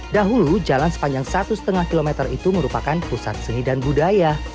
dahulu jalan sepanjang satu lima km itu merupakan pusat seni dan budaya